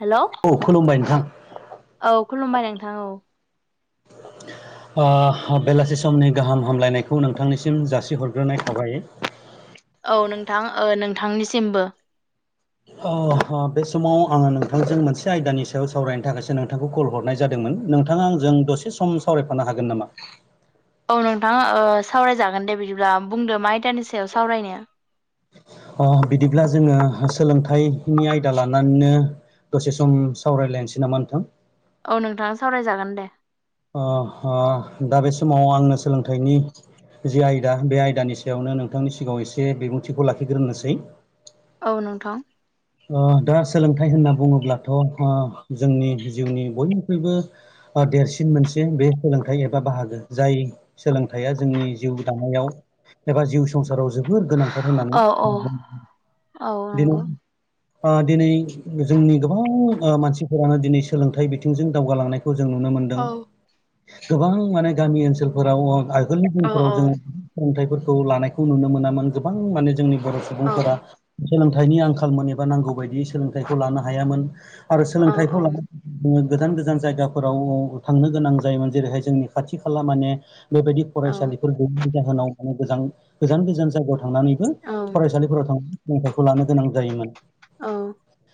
हेल'। औ खुलुमबाय नोंथां। औ खुलुमबाय नोंथां औ। ओ बेलासि समनि गाहाम हामलायनायखौ नोंथांनिसिम जासिहरग्रोनाय थाबाय। औ नोंथां ओ नोंथांनिसिमबो। अह बे समाव आङो नोंथांजों मोनसे आयदानि सायाव सावरायनो थाखायसो नोंथांखौ कल हरनाय जादोंमोन। नोंथाङा आंजों दसे सम सावरायफानो हागोन नामा? औ नोंथाङा ओ सावरायजागोन दे बिदिब्ला बुंदो मा आयदानि सायाव सावरायनो। अह बिदिब्ला जोङो सोलोंथाइनि आयदा लानानैनो दसे सम सावरायलायनोसै नामा नोंथां? औ नोंथां सावरायजागोन दे। ओह दा बे समाव आंनो सोलोंथाइनि जि आयदा बे आयदानि सायावनो नोंथांनि सिगाङाव एसे बिबुंथिखौ लाखिग्रोनोसै। औ नोंथां। ओ दा सोलोंथाइ होनना बुङोब्लाथ' ओ जोंनि जिउनि बयनिख्रुइबो ओ देरसिन मोनसे बे सोलोंथाइ एबा बाहागो जाय सोलोंथाइया जोंनि जिउ दानायाव एबा जिउ संसाराव जोबोर गोनां थार औ होननानै औ औ नंगौ [unintelligible] ओ दिनै जोंनि गोबां ओ मानसि फोरानो दिनै सोलोंथाइ बिथिंजों दावगालांनायखौ जों नुनो मोनदों। औ गोबां माने गामि ओनसोलफोराव ओ आगोलनि औ दिनफोराव औ जोङो सोलोंथाइफोरखौ लानायखौ नुनो मोनामोन। गोबां माने जोंनि बर' औ सुबुंफोरा सोलोंथाइनि आंखालमोन एबा नांगौ बायदियै सोलोंथाइखौ लानो हायामोन आरो औ सोलोंथाइखौ औ लानो जोङो गोजान गोजान जायगाफोराव थांनो गोनां जायोमोन जेरैहाय जोंनि खाथि खाला माने बेबायदि औ फरायसालिफोर गैयैनि जाहोनाव माने गोजां गोजान गोजान जायगायाव थांनानैबो औ फरायसालिफोराव थांनानै सोलोंथाइखौ लानो गोनां जायोमोन। औ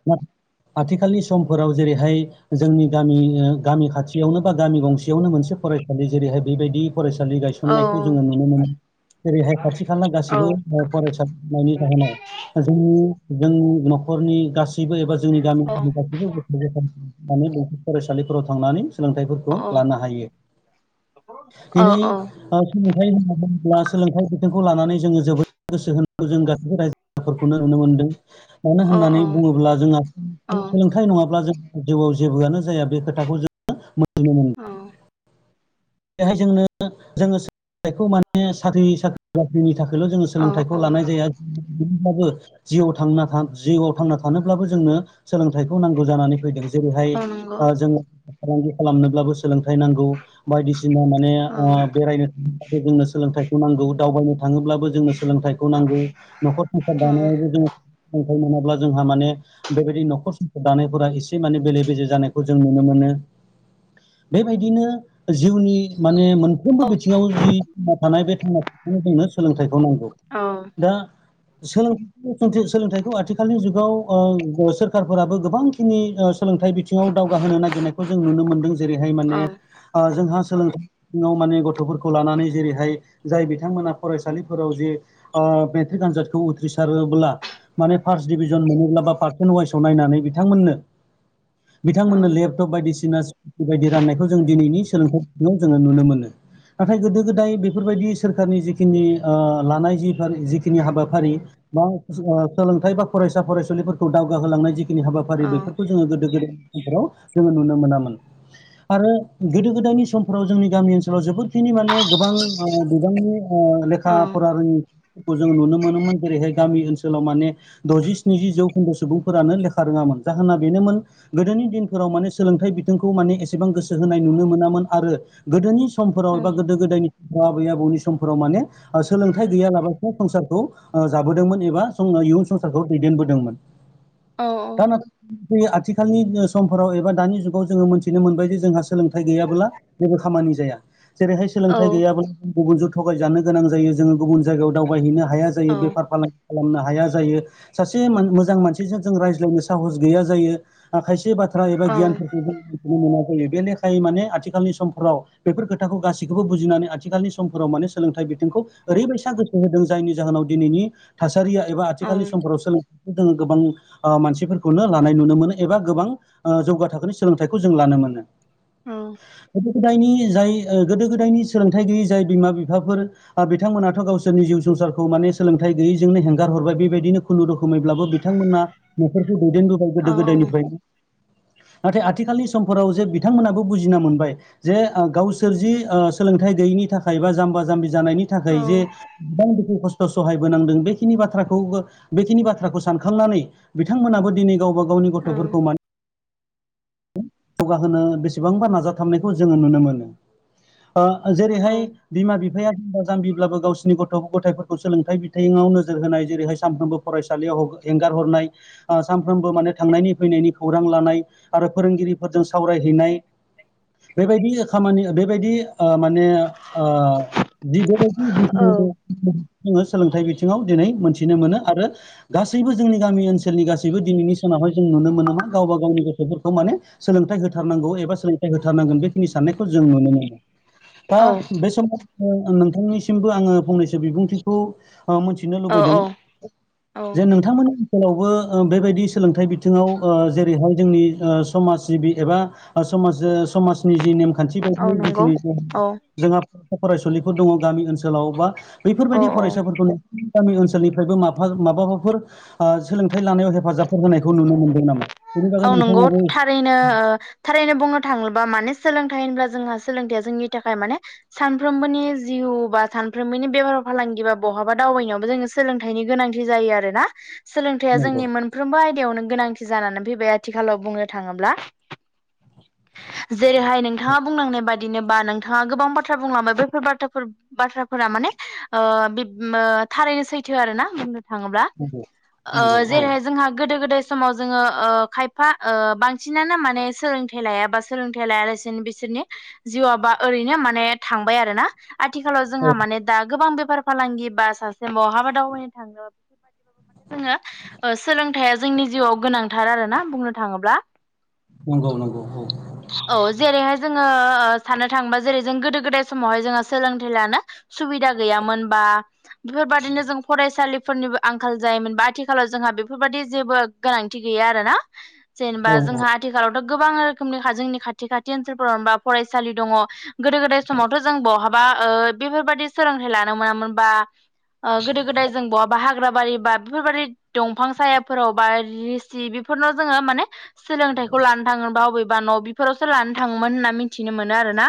[unintelligible] आथिखालनि समफोराव जेरैहाय जोंनि गामि ओ गामि खाथि थियावनो बा गामि गंसेयावनो मोनसे फरायसालि जेरैहाय बेबायदि फरायसालि औ गायसननायखौ जोङो नुनो मोनो। जेरैहाय खाथि खाला गासिबो म फरायसा जायनि जाहोनाव जोंनि जोंनि न'खरनि गासैबो एबा जोंनि औ गामिनि [inaudible] फरायसालिफोराव थांनानै सोलोंथाइफोरखौ लानो हायो। औ दिनै ओ सोलोंथाइ होनना बुङोब्ला सोलोंथाइ बिथिंखौ लानानै जोङो जोबोद गोसो होनांगौ जों गासैबो रायजो फोरखौनो नुनो मोनदों। मानो होननानै बुङोब्ला जोंहा सोलोंथाय नङाब्ला जों जिउआव जेबोआनो जाया बे खोथाखौ जोङो मिथिनो मोनो। औ। बेहाय जोंनो जोङो सोलोंथाइखौ माने साख्रि साख्रि बाख्रिनि थाखायल' जोङो औ सोलोंथाइखौ औ लानाय जाया [unintelligible] ब्लाबो जिउ थांना थानो जिउआव थांना थानोब्लाबो जोंनो सोलोंथाइखौ नांगौ जानानै फैदों। जेरैहाय औ नंगौ ओ जोङो फालांगि खालामनोब्लाबो सोलोंथाइ नांगौ। बायदिसिना माने औ ओ बेरायनो थाङोब्लाबो जोंनो सोलोंथाइखौ नांगौ दावबायनो थाङोब्लाबो जोंनो सोलोंथाइखौ नांगौ न'खर संसार दानायावबो जोङो सोलोंथाइ मोनाब्ला जोंहा माने बेबायदि न'खर संसार दानायफोरा एसे माने बेले बेजे जानायखौ जों नुनो मोनो। बेबायदिनो जिउनि माने मोन मोनफ्रोमबो बिथिङाव जि थांना थानाय बे [unintelligible] जोंनो सोलोंथाइखौ नांगौ। औ दा [unintelligible] सोलोंथाइखौ आथिखालनि जुगाव सोरखारफोराबो गोबां जिखिनि ओ सोलोंथाइ बिथिङाव दावगाहोनो नागिरनायखौ जों नुनो मोनदों जेरैहाय माने ओ जोंहा सोलोंथाइ सिङाव माने गथ'फोरखौ लानानै जेरैहाय जाय बिथांमोना फरायसालिफोराव जे ओ मेट्रिक आनजादखौ उथ्रिसारोब्ला माने फार्स्ट डिभिजन मोनोब्ला बा पारसेन्ट वाइसाव नायनानै बिथांमोननो औ बिथांमोननो लेपटप बायदिसिना स्कुटि बायदि राननायखौ जों दिनैनि सोलोंथाइ बिथिङाव जोङो नुनो मोनो‌। नाथाय गोदो गोदाय बेफोरबायदि सोरखारनि जिखिनि ओ लानाय जि जिखिनि हाबाफारि बा ओ सोलोंथाइ बा फरायसा फरायसुलिफोरखौ दावगाहोलांनाय जि खिनि हाबाफारि औ बेफोरखौ जोङो गोदो गोदायनिफोराव जोङो नुनो मोनामोन आरो गोदो गोदायनि समाव जों गामि ओनसोलाव जोबोद बेखिनि माने गोबां ओ बिबांनि लेखा फरा रोङि फोरखौ जों नुनो मोनोमोन जेरैहाय गामि ओनसोलाव माने द'जि स्निजि जौखोन्दो सुबुंफोरानो लेखा रोङामोन जाहोना बेनोमोन गोदोनि दिनफोराव माने सोलोंथाइ बिथिंखौ माने एसेबां गोसो होनाय नुनो मोनामोन आरो गोदोनि समफोराव एबा औ गोदो गोदायनि समाव आबै आबौनि समफोराव माने ओ सोलोंथाइ गैयालाबासिनो संसारखौ ओ जाबोदोंमोन एबा जों इयुन संसारखौ दैदेनबोदोंमोन। औ दा नाथाय आथिखालनि समफोराव एबा दानि जुगाव जोङो मोनथिनो मोनबायदि जोंहा सोलोंथाइ गैयाबोला जेबो खामानि जाया जेरैहाय सोलोंथाइ औ गैयाब्ला गुबुनजों थगायजानो गोनां जायो जोङो गुबुन जायगायाव दावबायहैनो हाया जायो औ बेफार फालांगि खालामनो हाया जायो। सासे मोन मोजां मानसिजों जों रायज्लायनो साहस गैया जायो। ओ खायसे बाथ्रा एबा औ गियानफोरखौ जों बेखौनो मोनै जायो बे लेखायै माने आथिखालनि समफोराव बेफोर खोथाखौ गासैखौबो बुजिनानै आथिखालनि समफोराव माने सोलोंथाइ बिथिंखौ ओरैबायसा गो सो होदों जायनि जाहोनाव दिनैनि थासारिया एबा औ आथिखालनि समफोराव सोलोंथाइखौ जोङो गोबां ओ मानसिफोरखौनो लानाय नुनो मोनो एबा गोबां ओ जौगा थाखोनि सोलोंथाइखौ जों लानो मोनो। औ। गोदो गोदायनि जाय ओ गोदो गोदायनि सोलोंथाइ गैयि जाय बिमा बिफाफोर ओ बिथांमोनाथ' गावसोरनि जिउ संसारखौ माने सोलोंथाइ गैयिजोंनो हेंगार हरबाय बेबायदिनो खुनुरुखुमैब्लाबो बिथांमोना न'खरखौ दैदेनबो बाय औ गोदो गोदायनिफ्राय। नाथाय आथिखालनि समफोराव जे बि थांमोनाबो बुजिना मोनबाय ओ जे गावसोर जि सोलोंथाइ गैयैनि थाखाय बा जाम्बा जाम्बि जानायनि औ थाखाय जे गोबां दुखु खस्थ' सहायबोनांदों बेखिनि बाथ्राखौ बेखिनि बाथ्राखौ सानखांनानै बिथांमोनाबो दिनै गावबागाव गावनि औ गथ'फोरखौ मान जौगाहोनो बेसेबांबा नाजाथाबनायखौ जोङो नुनो मोनो। जेरैहाय बिमा बिफाया जाम्बा जाम्बिब्लाबो गावसिनि गथ' गथायफोरखौ सोलोंथाइ बिथिाइङाव नोजोर होनाय जेरैहाय सानफ्रोमबो फरायसालियाव हेंगार हरनाय सानफ्रोमबो माने थांनायनि फैनायनि खौरां लानाय आरो फोरोंगिरिफोरजों सावरायहैनाय बेबायदि खामानि बेबायदि ओ माने ओ जि बेबायदिखिनि जोङो सोलोंथाइ बिथिङाव दिनै मोन्थिनो मोनो आरो गासैबो जोंनि गामि ओनसोलनि गासैबो दिनैनि सानावहाय जों नुनो मोनामा, गावबा गावनि गथ'फोरखौ माने सोलोंथाइ होथारनांगौ एबा सोलोंथाइ होथारनांगोन बेखिनि साननायखौ जों नुनो मोनो। दा बे समाव नोंथांनिसिमबो आङो फंनैसो बिबुंथिखौ ओ मोनथि नो औ लुबैदों औ जे नोंथांमोना खोलावबो ओ बेबायदि सोलोंथाइ बिथिङाव ओ जेरैहाय जोंनि ओ समाज जिबि एबा ओ समाजो समाजनि जि नेमखान्थि औ बायदियै नंगौ जिखिनि औ जोंहा फरायसुलिफोर दङ गामि ओनसोलाव बा औ बैफोरबायदि औ फरायसाफोरखौनो गामि ओनसोलनिफ्रायबो माफा माबाबाफोर ओ सोलोंथाइ लानायाव हेफाजाबफोर होनायखौ नुनो मोनदों नामा? बेनि औ बागै नंगौ नोंथाङाबो थारैनो ओ थारैनो बुंनो थाङोब्ला माने सोलोंथाइ होनब्ला जोंहा सोलोंथाइया जोंनि थाखाय माने सानफ्रोमबोनि जिउ बा सानफ्रोमबोनि बेफार फालांगि बा बहाबा दावबायनायावबो जोंनो सोलोंथाइनि गोनांथि जायो आरोना। सोलोंथाइया जोंनि मोनफ्रोमबो आयदायावनो गोनांथि जानानै फैबाय आथिखालाव बुंनो थाङोब्ला। जेरैहाय नोंथाङा बुंलांनाय बाद बिदिनोबा नोंथाङा गोबां बाथ्रा बुंलांबाय बेफोर बाथ्राफोर बाथ्राफोरा माने ओ बेब ओ थारैनो सैथो आरो ना। थाङोब्ला ओ जेरैहाय जोंहा गोदो गोदाय समाव जोङो ओ खायफा ओ बांसिनानो माने सोलोंथाइ लायाबा सोलोंथाइ लायालासेनो बिसोरनि जिउआबा ओरैनो माने थांबाय आरोना, आथिखालाव जोंहा माने दा गोबां बेफार फालांगि बा सासे बहाबा दावबायनो थाङो जोङो ओ सोलोंथाइया जोंनि जिउआव गोनांथार आरो ना बुंनो थाङोब्ला। नगौ नंगौ औ। औ जेरैहाय जोङो ओ साननो थाङोबा जेरै जों गोदो गोदाय समावहाय जोंहा सोलोंथाइ लानो सुबिदा गैयामोन बा बेफोरबायदिनो जों फरायसालिफोरनिबो आंखाल जायोमोन बा आथिखालाव जोंहा बेफोरबायदि जेबो गोनांथि गैया आरोना। जेनोबा औ जोंहा आथिखालावथ' गोबां रोखोमनि हा जोंनि खाथि खाथि ओनसोलफोरावबा जेनोबा फरायसालि दङ। गोदो गोदाय समावथ' जों बहाबा बेफोरबायदि सोलोंथाइ लानो मोनामोन बा गोदो गोदाय जों बहाबा हाग्रा बारि बा बेफोरबाददि दंफां सायाफोराव बा रिसि बेफोरनाव जोङो माने सोलोंथाइखौ लानो थाङोबा अबेबा न' बेफोरावसो लानो थाङोमोन होनना मिथिनो मोनो आरोना।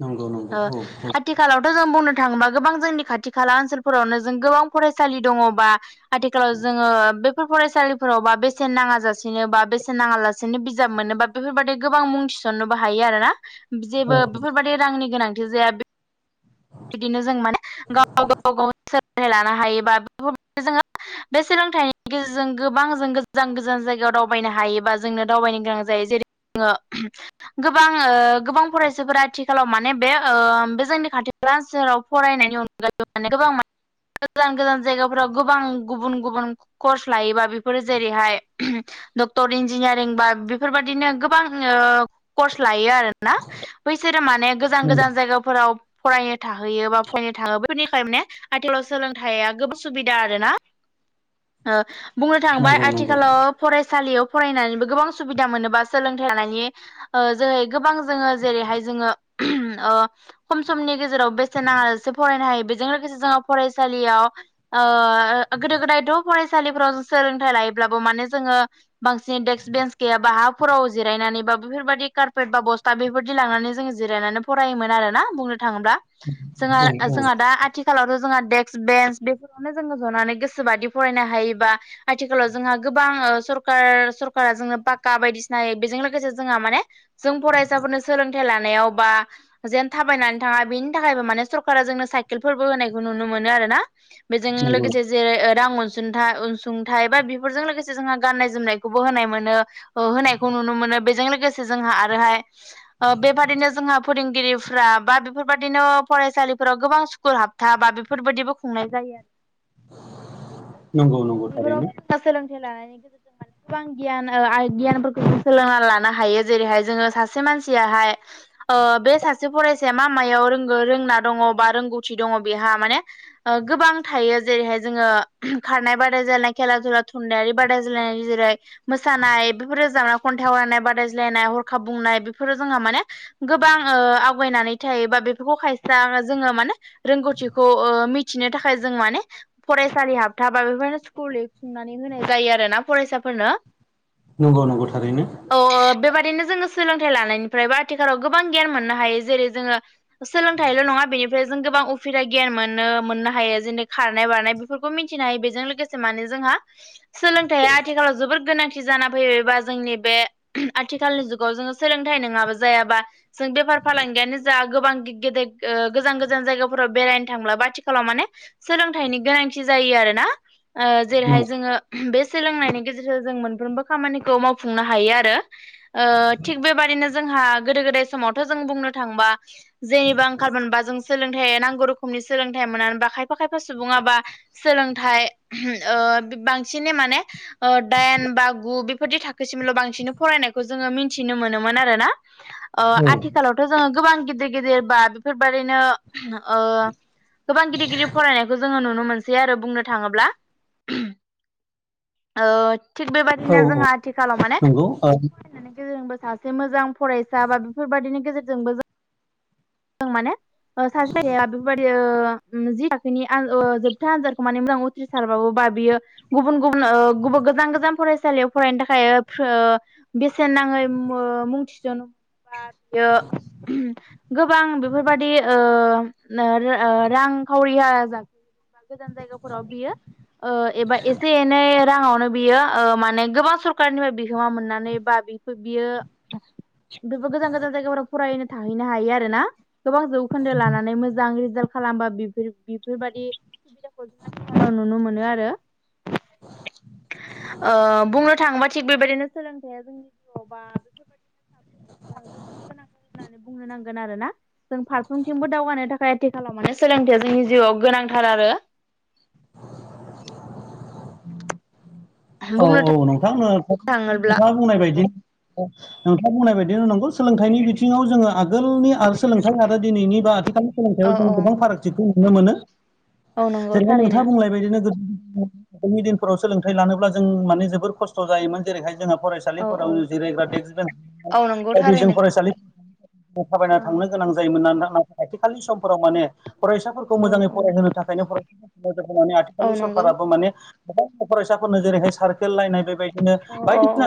नंगौ नंगौ ओ औ आथिखालावथ' जों बुंनो थाङोबा गोबां जोंनि खाथि खाला ओनसोलफोरावनो जों गोबां फरायसालि दङबा आथिखालाव जोङो बेफोर फरायसालिफोराव बा बेसेन नाङा जासेनो बा बेसेन नाङा लासे सेननि बिजाब मोनोबा बेफोरबायदि गोबां मुं थिसननोबो हायो आरोना। औ जेबो बेफोर रांनि गोनांथि जाया बे बिदिनो जों माने गाव गाव गाव सोलोंथाइ लानो हायोबा बेफोरबाय जोङो बे सोलोंथाइनि गेजेरजों गोबां जों गोजान गोजान जायगायाव दावबायनो हायोबा जोंनो दावबायनो गोनां जायो जेरै ओ गोबां ओ गोबां फरायसाफोरा आथिखालाव माने बे ओ बे जोंनि खाथि [unintelligible] फरायनायनि अनगायै माने गोबां मा गोजान गोजान जायगाफोराव गोबां गुबुन गुबुन कर्स लायोबा बेफोरो जेरैहाय [unintelligible] डक्टर इन्जिनियारिं बा बेफोरबादिनो गोबां ओ कर्स लायो आरो ना बैसोरो माने गोजान गोजान जायगाफोराव फरायनो थाहैयो बा फरायनो थाङो [unintelligible] माने आथिखालाव सोलोंथाया गोबां सुबिदा आरो ना? ओ बुंनो थाङोबा नंगौ नंगौ आथिखालाव फरायसालियाव फरायनानैबो गोबां सुबिदा मोनोबा सोलोंथाइ लानायनि ओ जेरै गोबां जोङो जेरैहाय जोङो ओ खम समनि गेजेराव बेसेन नाङालासे फरायनो हायो बेजों लोगोसे जोङो फरायसालियाव ओ गोदो गोदायथ' फरायसालिफोराव सोलोंथाइ लायोब्लाबो माने जोङो बांसिन डेक्स्स बेन्स गैयाबा हाफोराव जिरायनानै बा बेफोरबायदि कार्पेट बा बस्था बेफोरदि लांनानै जोङो जिरनानै फरायोमोन आरोना बुंनो थाङोब्ला जोंहा औ औ जोंहा दा आथिखालावथ' जोंहा डेक्स बेन्स बेफोरावनो जोङो जनानै गोसोबादि फरायनो हायोबा आथिखालाव जोंहा गोबां सरखार सरकारा जोंनो पाक्का बायदिसिना बेजों लोगोसे जोंहा माने जों फरायसाफोरनो सोलोंथाइ लानायाव बा जेन थाबायनानै थाङा बेनि थाखायबो माने सरकारा जोंनो साइकेलफोरबो होनायखौ नुनो मोनो आरोना। बेजों औ नंगौ औ नंगौ लोगोसे जेरै रां अनसुंथाइ अनसुंथाइ बा बेफोरजों लोगोसे जोंहा गाननाय जोमनायखौबो होनाय मोनो। होनायखौ नुनो मोनो। बेजों लोगोसे जोंहा आरोहाय बेबादिनो जोंहा फोरोंगिरि उफ्रा बा बेफोरबायाददिनो फरायसालिफोराव गोबां स्कुल हाबथा बा बेफोरबायदिबो खुंनाय जायो नंगौ नंगौ थारैनो [inaudible] गोबां गियान गियानफोरखौ जों सोलोंनानै लानो हायो जेरैहाय जोङो सासे मानसियाहाय [inaudible] सासे फरायसाया मा मायाव रोंगो रोंना दङ बा रोंगौथि दङ बेहा माने गोबां थायो जेरैहाय जोङो खारनाय बादायलायनाय खेला दुला थुनलाइयारि बादाय जायनाय जेरै मोसानाय बेफोरो जाने खन्थाइ आवरायनाय बादायज्लायनाय हरखाब बुंनाय बेफोरो जोंहा माने गोबां ओ आवगायनानै थायो बा बेफोरखौ खायसा जोङो माने रोंगौथिखौ मिथिनो थाखाय जों माने फरायसालि हाबथाबा बेफोरनो स्कुल खुंनानै होनाय जायो आरो ना फरायसाफोरनो नंगौ नंगौ थारैनो औ ओ बेबादिनो जोङो सोलोंथाइ लानायनिफ्राय बा आथिखालाव गोबां गियान मोननो हायो जेरै जोङो सोलोंथाइल' नङा बेनिफ्राय जों गोबां उफेरा गियान मोनो मोननो हायो जेनै खारनाय बारनाय बेफोरखौ मिथिनो हायो बेजों लोगोसे माने जोंहा सोलोंथाइया आथिखालाव जोबोर गोनांथि जाना फैयोबा जोंनि बे आथिखालनि जुगाव जोङो सोलोंथाइ नङाबो जायाबा जों बे फालांगियानो जा गोबां गेदेर गोजान गोजान जायगाफोराव बेरायनो थांब्लाबो आथिखालाव माने सोलोंथाइनि गोनांथि जायो आरोना। जेरैहाय नंगौ जोङो बे सोलोंनायनि गेजेरजों जों मोनफ्रोमबो खामानिखौ मावफुंनो हायो आरो। ओ थिग बेबादिनो जोंहा गोदो गोदाय समावथ' जों बुंनो थांबा जेनेबा आंखाल मोनबा जों सोलोंथाइ नांगौ रोखोमनि सोलोंथाइ मोननानै बा खायफा खायफा सुबुङाबा सोलोंथाइ बांसिनै माने ओ दाइन बा गु बेफोरदि थाखोसिमल' बांसिन फरायनायखौ जोङो मिथिनो मोनोमोन आरो ना औ आथिखालावथ' जोङो गोबां गिदिर गिदिर बा बेफोरबायदिनो ओ गोबां गिदिर गिदिर फरायनायखौ जोङो नुनो मोन बै आरो बुंनो थाङोब्ला। ओ थिग औ बेबायदिनो औ जोंहा आथिखालाव माने नंगौ ओ नानै गेजेरजोंबो सासे मोजां फरायसा बा बेफोरबायदिनो गेजेरजोंबो जों माने सासे जायगाया बेफोरबायदि जि थाखोनि ओ जोबथा आनजादखौ माने मोजां उथ्रिसारबाबो बियो गुबुन गुबुन ओ गुब गोजान गोजान फरायसालियाव फरायनो थाखाय ओ बेसेन नाङै ओ मुं थिसनो [unintelligible] गोबां बेफोरबादि ओ [unintelligible] रांखावरिया ज बा गोजान जायगाफोराव बियो ओ एबा एसे एनै राङावनो बियो माने गोबां सरखारनिफ्राय बिहोमा मोननानै बा बि बियो बेबो गोजान गोजान जायगाफोराव फरायनो थाहैनो हायो आरोना गोबां जौखोन्दो लानानै मोजां रिजाल्ट खालामबा बेफोर बेफोरबायादि [unintelligible] नुनो मोनो आरो। ओ बुंनो थाङोबा थिग बेबायदिनो सोलोंथाया जोंनि जिउआव बा [inaudible] माने बुंनो नांगोन आरोना। जों फारफ्रोमथिंबो दावगानो थाखाय आथिखालाव माने सोलोंथाया जोंनि जिउआव गोनांथार आरो। [inaudible] औ बुंनो औ नोंथांनो थाङोब्ला नोंथाङा बुंनाय बायदि नोंथाङा बुंनाय बायदिनो नांगौ सोलोंथाइनि बिथिङाव जोङो आगोलनि आरो सोलोंथाइ आरो दिनैनि बा आथिखालनि सोलोंथाइयाव औ जों औ गोबां फारागथिखौ नुनो मोनो औ नंगौ जेरैहाय थारैनो नोंथाङा बुंनाय बायदिनो गोदो जोंनि दिनफोराव सोलोंथाइ लानोब्ला जों माने जोबोर खस्थ' जायोमोन जेरैहाय जोंहा फरायसालि औ औ [unintelligible] जिरायग्रा देक्स औ नंगौ बेन्स जों थारैनो फरायसालियाव थाबायना औ थांनो गोनां जायोमोन [unintelligible] आथिखालनि समफोराव माने फरायसाफोरखौ औ मोजाङै औ फरायहोनो थाखायनो फराय नोजोर होनानै औ आथिखालाव नंगौ सरखाराबो माने गोबां फरायसाफोरनो जेरैहाय साइकेल राननाय बेबायदि नो औ औ बायदिसिना औ